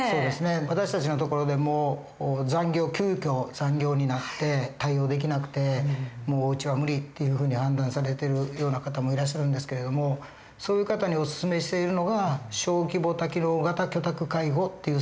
私たちのところでも急きょ残業になって対応できなくて「もううちは無理」っていうふうに判断されてるような方もいらっしゃるんですけれどもそういう方にお薦めしているのが小規模多機能型居宅介護っていうサービスなんですね。